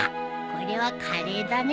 これはカレーだね。